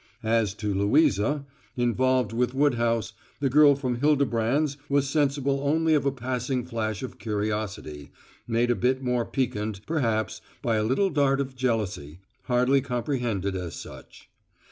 As to "Louisa," involved with Woodhouse, the girl from Hildebrand's was sensible only of a passing flash of curiosity, made a bit more piquant, perhaps, by a little dart of jealousy, hardly comprehended as such.